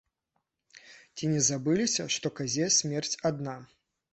Ці не забыліся, што казе смерць адна?